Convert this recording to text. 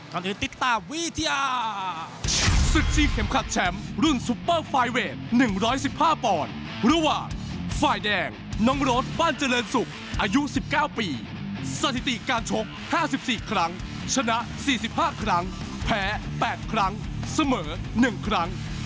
ก่อนอื่นติดตามวิทยา